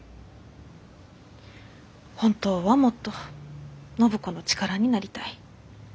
本当はもっと暢子の力になりたい。